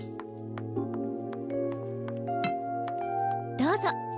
どうぞ。